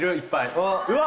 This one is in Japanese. うわ！